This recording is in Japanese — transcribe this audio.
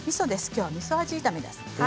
きょうはみそ味炒めです。